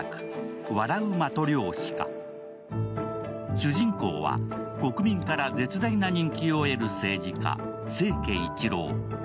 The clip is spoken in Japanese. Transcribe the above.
主人公は国民から絶大な人気を得る政治家・清家一郎。